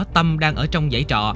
tâm đang ở trong giải trọ